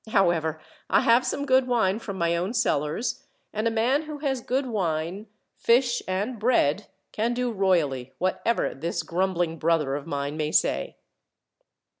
However, I have some good wine from my own cellars, and a man who has good wine, fish, and bread can do royally, whatever this grumbling brother of mine may say."